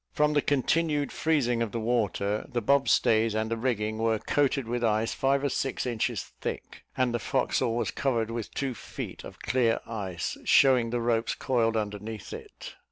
From the continued freezing of the water, the bob stays and the rigging were coated with ice five or six inches thick, and the forecastle was covered with two feet of clear ice, showing the ropes coiled underneath it.